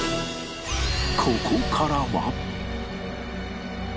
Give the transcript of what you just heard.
ここからは